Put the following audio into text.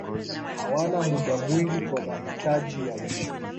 Hawana muda mwingi kwa mahitaji ya wengine.